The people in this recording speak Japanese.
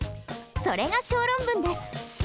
それが小論文です。